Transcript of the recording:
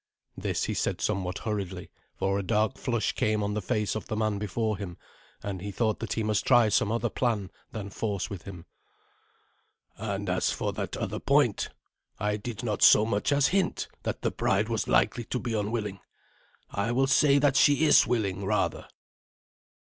This he said somewhat hurriedly, for a dark flush came on the face of the man before him, and he thought that he must try some other plan than force with him. "And as for that other point, I did not so much as hint that the bride was likely to be unwilling. I will say that she is willing, rather."